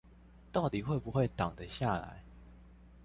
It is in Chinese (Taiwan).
到底會不會擋得下來